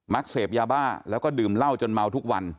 เสพยาบ้าแล้วก็ดื่มเหล้าจนเมาทุกวัน